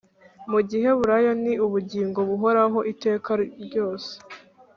Mu giheburayo ni ubugingo buhoraho iteka ryose